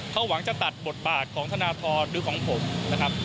เขาหวังจะตัดบทบาทของธนทรหรือของผมนะครับ